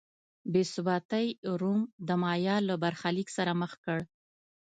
بې ثباتۍ روم د مایا له برخلیک سره مخ کړ.